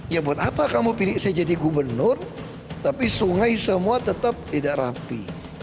ya buat apa kamu pilih saya jadi gubernur tapi sungai semua tetap tidak rapi